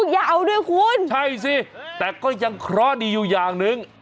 ยาวด้วยคุณใช่สิแต่ก็ยังเคราะห์ดีอยู่อย่างหนึ่ง